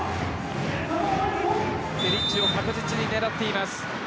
ペリッチを確実に狙っています。